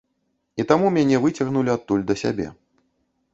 І таму мяне выцягнулі адтуль да сябе.